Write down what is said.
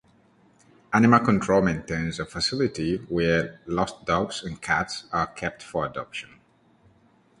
Animal Control maintains a facility where lost dogs and cats are kept for adoption.